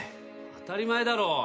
当たり前だろ。